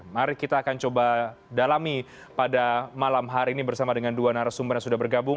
mari kita akan coba dalami pada malam hari ini bersama dengan dua narasumber yang sudah bergabung